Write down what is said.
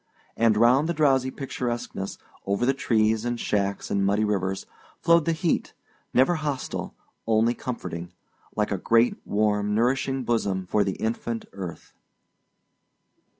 And round the drowsy picturesqueness, over the trees and shacks and muddy rivers, flowed the heat, never hostile, only comforting, like a great warm nourishing bosom for the infant earth.